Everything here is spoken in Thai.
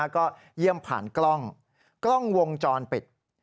ก็เยี่ยมผ่านกล้องกล้องวงจรปิด